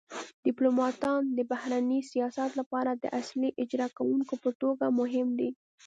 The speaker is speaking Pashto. ډیپلوماتان د بهرني سیاست لپاره د اصلي اجرا کونکو په توګه مهم دي